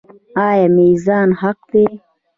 آیا میزان حق دی؟